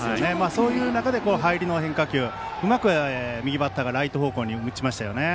そういう中での入りの変化球をうまく右バッターがライト方向に打ちましたね。